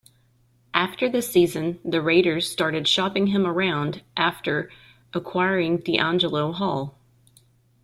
After the season, the Raiders started shopping him around after acquiring DeAngelo Hall.